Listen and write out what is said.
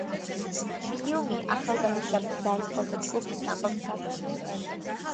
ფილმი ახალგაზრდა მძარცველთა ჯგუფის ამბავს გადმოსცემს.